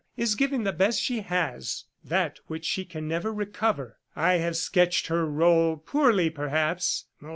. is giving the best she has, that which she can never recover. I have sketched her role poorly, perhaps.